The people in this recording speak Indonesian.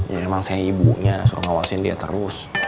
ya emang saya ibunya suruh ngawasin dia terus